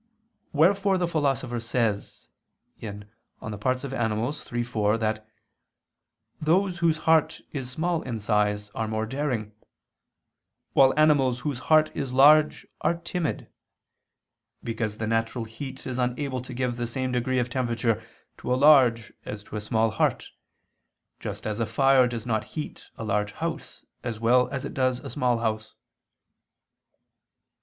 Wherefore the Philosopher says (De Part. Animal. iii, 4) that "those whose heart is small in size, are more daring; while animals whose heart is large are timid; because the natural heat is unable to give the same degree of temperature to a large as to a small heart; just as a fire does not heat a large house as well as it does a small house."